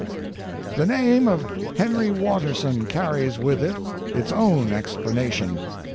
The name of Henry Watterson carries with it its own explanation.